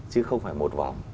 chứ không phải một vòng